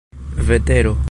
vetero